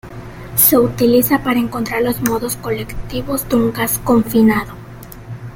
Se utiliza para encontrar los modos colectivos de un gas confinado.